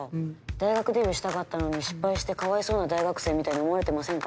大学デビューしたかったのに失敗してかわいそうな大学生みたいに思われてませんか？